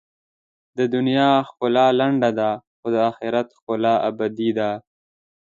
د دنیا ښکلا لنډه ده، خو د آخرت ښکلا ابدي ده.